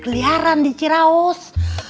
kejaran di ciraus